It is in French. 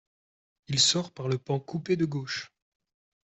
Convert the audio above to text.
Il sort par le pan coupé de gauche.